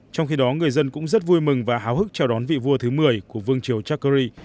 trong khi đó người dân cũng rất vui mừng và háo hức chào đón vị vua thứ một mươi của vương triều chakerry